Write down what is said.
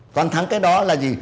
toàn thắng cái đó là gì